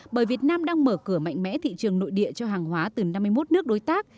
bởi việt nam đang mở cửa mạnh mẽ thị trường nội địa cho hàng hóa từ năm mươi một nước đối tác